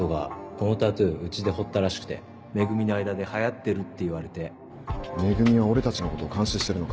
このタトゥーうちで彫ったらしくて「め組」の間で流行ってる「め組」は俺たちのことを監視してるのか？